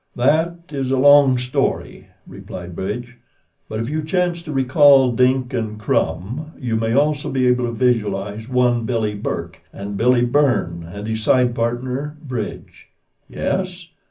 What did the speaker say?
"That is a long story," replied Bridge; "but if you chance to recall Dink and Crumb you may also be able to visualize one Billy Burke and Billy Byrne and his side partner, Bridge. Yes?